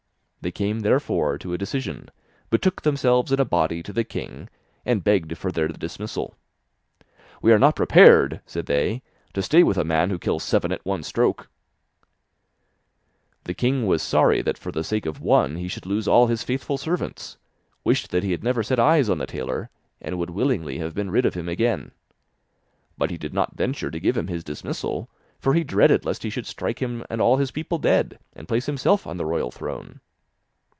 They came therefore to a decision, betook themselves in a body to the king, and begged for their dismissal. 'We are not prepared,' said they, 'to stay with a man who kills seven at one stroke.' The king was sorry that for the sake of one he should lose all his faithful servants, wished that he had never set eyes on the tailor, and would willingly have been rid of him again. But he did not venture to give him his dismissal, for he dreaded lest he should strike him and all his people dead, and place himself on the royal throne.